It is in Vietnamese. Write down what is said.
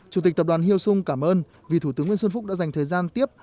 chủ tịch tập đoàn hyo sung cảm ơn vì thủ tướng nguyễn xuân phúc đã dành thời gian tiếp